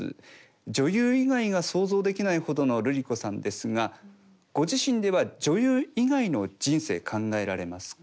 「女優以外が想像できないほどのルリ子さんですがご自身では女優以外の人生考えられますか？